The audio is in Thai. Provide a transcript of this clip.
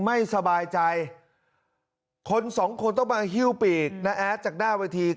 ไม่สบายใจคนสองคนต้องมาฮิ้วปีกน้าแอดจากหน้าเวที